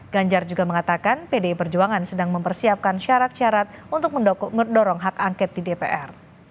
ganjar juga mengatakan pdi perjuangan sedang mempersiapkan syarat syarat untuk mendorong hak angket di dpr